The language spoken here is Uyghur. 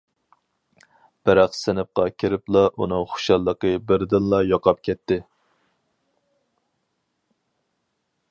بىراق سىنىپقا كىرىپلا ئۇنىڭ خۇشاللىقى بىردىنلا يوقاپ كەتتى.